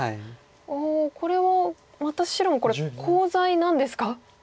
これはまた白もこれコウ材なんですか？